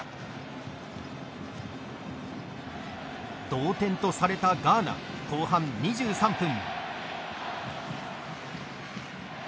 同点とされたガーナ後半２３分。